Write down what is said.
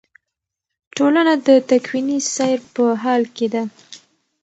ټولنه د تکویني سیر په حال کې ده.